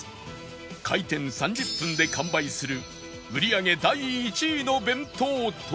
開店３０分で完売する売り上げ第１位の弁当とは？